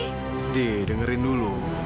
indi dengerin dulu